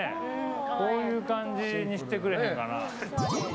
こういう感じにしてくれへんかな。